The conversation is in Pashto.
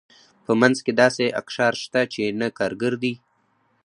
په منځ کې داسې اقشار شته چې نه کارګر دي.